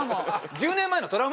１０年前のトラウマ。